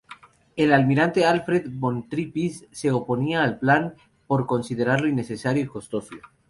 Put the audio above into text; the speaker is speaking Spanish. El almirante Alfred von Tirpitz se oponía al plan, por considerarlo innecesario y costoso.